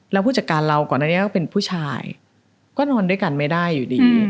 แล้วผู้จัดการเราก่อนอันนี้ก็เป็นผู้ชายก็นอนด้วยกันไม่ได้อยู่ดี